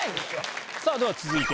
さぁでは続いて。